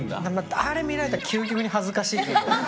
あれ見られたら究極に恥ずかしいと思う。